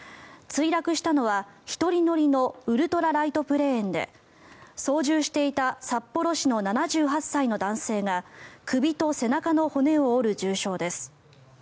墜落したのは、１人乗りのウルトラライトプレーンで操縦していた札幌市の７８歳の男性が首と背中の骨を折る重傷です。